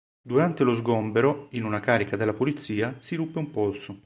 Durante lo sgombero, in una carica della polizia, si ruppe un polso.